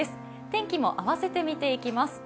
天気も合わせて見ていきます。